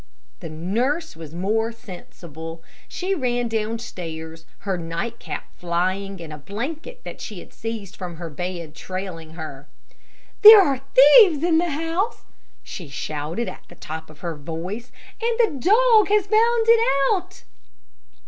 The nurse was more sensible. She ran downstairs, her night cap flying, and a blanket that she had seized from her bed, trailing behind her. "There are thieves in the house," she shouted at the top of her voice, "and the dog has found it out."